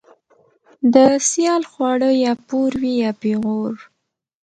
ـ د سيال خواړه يا پور وي يا پېغور.